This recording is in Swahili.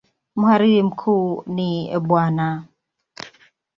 Mhariri mkuu ni Bw.